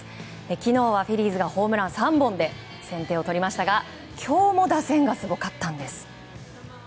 昨日はフィリーズがホームラン３本で先手を取りましたが今日も打線がすごかったんです。